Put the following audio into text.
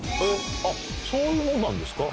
あっそういうもんなんですか。